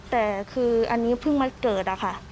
แต่คืออันนี้เพิ่งมาเกิดอะค่ะ